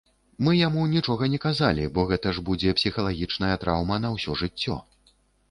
Мы яму нічога не казалі, бо гэта ж будзе псіхалагічная траўма на ўсё жыццё.